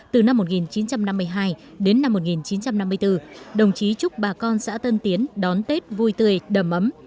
từ năm một nghìn chín trăm năm mươi hai đến năm một nghìn chín trăm năm mươi bốn đồng chí chúc bà con xã tân tiến đón tết vui tươi đầm ấm